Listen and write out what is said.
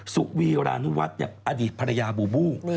สุวีรานุวัฒน์อดีตภรรยาบูบู